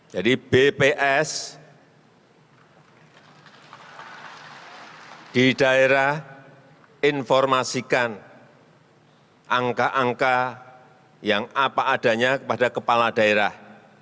jadi bps di daerah informasikan angka angka yang apa adanya pada kepala daerah